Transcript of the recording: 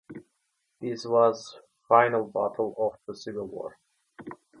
This was the final battle of the Civil War.